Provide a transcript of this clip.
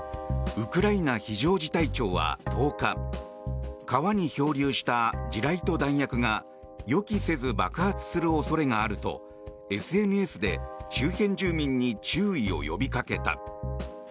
ウクライナ非常事態庁は１０日川に漂流した地雷と弾薬が予期せず爆発する恐れがあるとＳＮＳで周辺住民に注意を呼びかけた。